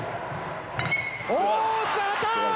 大きく上がった！